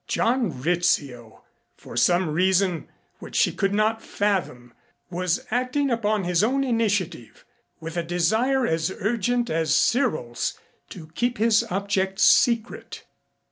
John Rizzio, for some reason which she could not fathom, was acting upon his own initiative with a desire as urgent as Cyril's to keep his object secret.